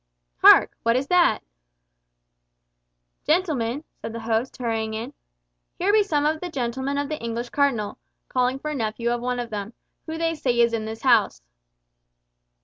"Hark! What's that?" "Gentlemen," said the host hurrying in, "here be some of the gentlemen of the English Cardinal, calling for a nephew of one of them, who they say is in this house."